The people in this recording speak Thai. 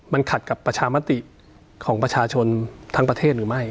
มันขัดกับประชามติของประชาชนทั้งประเทศหรือไม่